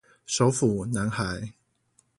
手斧男孩